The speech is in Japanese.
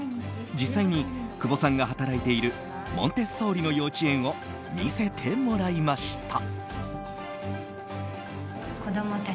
実際に久保さんが働いているモンテッソーリの幼稚園を見せてもらいました。